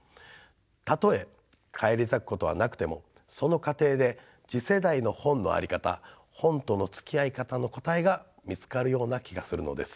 たとえ返り咲くことはなくてもその過程で次世代の本の在り方本とのつきあい方の答えが見つかるような気がするのです。